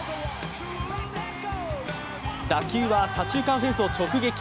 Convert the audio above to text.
打球は左中間フェンスを直撃。